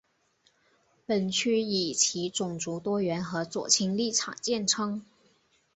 本区以其种族多元和左倾立场见称。